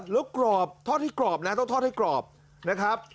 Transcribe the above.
แล้วกรอบต้องต้องทอดที่กรอบนะครับ